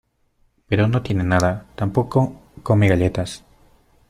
pero no tiene nada. tampoco come galletas .